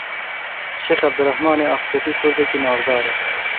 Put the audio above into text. Şêx Evdirehmanê Axtepî kurdekî navdar e.